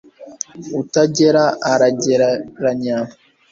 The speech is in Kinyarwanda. utagera aragereranya